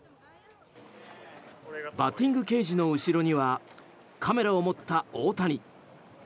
バッティングケージの後ろにはカメラを持った大谷。